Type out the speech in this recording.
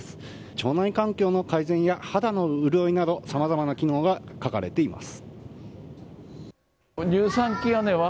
腸内環境の改善や肌のうるおいなどさまざまな機能が書かれています。